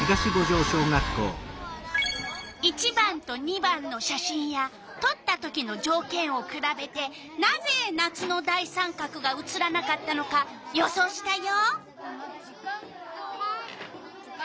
１番と２番の写真やとった時のじょうけんをくらべてなぜ夏の大三角が写らなかったのか予想したよ。